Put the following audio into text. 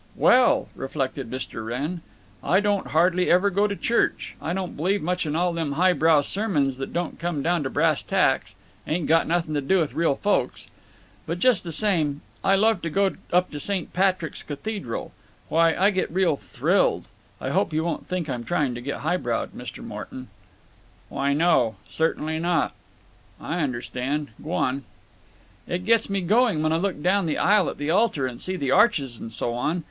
"Well," reflected Mr. Wrenn, "I don't hardly ever go to church. I don't believe much in all them highbrow sermons that don't come down to brass tacks—ain't got nothing to do with real folks. But just the same, I love to go up to St. Patrick's Cathedral. Why, I get real thrilled—I hope you won't think I'm trying to get high browed, Mr. Morton." "Why, no. Cer'nly not. I understand. Gwan." "It gets me going when I look down the aisle at the altar and see the arches and so on.